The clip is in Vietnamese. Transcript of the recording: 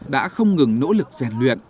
đã không ngừng nỗ lực rèn luyện